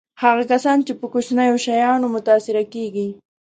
هغه کسان چې په کوچنیو شیانو متأثره کېږي.